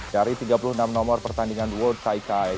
dari tiga puluh enam nomor pertandingan world kaikai